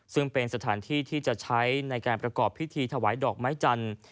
ซึ่งเป็นสถานที่ที่จะใช้ในการประกอบพิธีถวายดอกไม้จันทร์